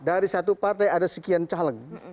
dari satu partai ada sekian caleg